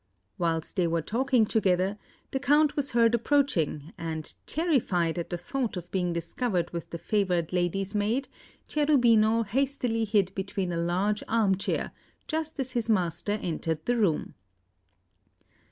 Whilst they were talking together, the Count was heard approaching, and, terrified at the thought of being discovered with the favoured lady's maid, Cherubino hastily hid behind a large arm chair, just as his master entered the room.